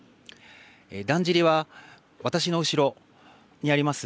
だんじりは私の後ろにあります